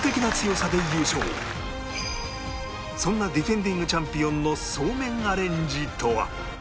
そんなディフェンディングチャンピオンのそうめんアレンジとは